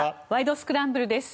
スクランブル」です。